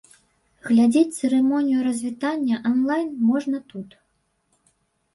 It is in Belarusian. Глядзець цырымонію развітання анлайн можна тут.